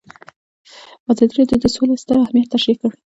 ازادي راډیو د سوله ستر اهميت تشریح کړی.